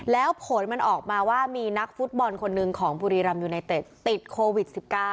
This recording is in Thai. แล้วผลมันออกมาว่ามีนักฟุตบอลคนหนึ่งของบุรีรำยูไนเต็ดติดโควิด๑๙